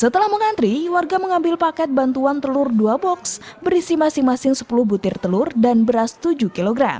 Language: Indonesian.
setelah mengantri warga mengambil paket bantuan telur dua box berisi masing masing sepuluh butir telur dan beras tujuh kg